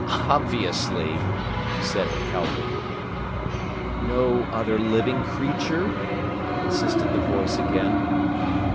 "Obviously!" said Calhoun. "No other living creature?" insisted the voice again.